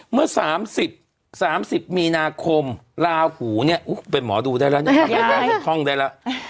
เมื่อ๓๐มีนาคมลาหูเนี่ยเป็นหมอดูได้แล้วย้าย